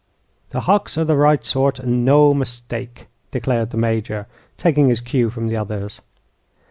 "The Hucks are the right sort, and no mistake," declared the Major, taking his cue from the others.